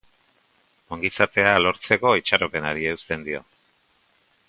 Ongizatea lortzeko itxaropenari eusten dio.